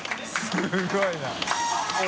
すごいな。